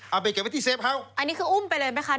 เอาไปเก็บไว้ที่เฟฟเขาอันนี้คืออุ้มไปเลยไหมคะ